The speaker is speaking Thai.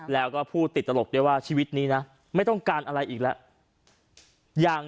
แล้วก็พูดติดตลกด้วยว่าชีวิตนี้นะไม่ต้องการอะไรอีกแล้วอย่าง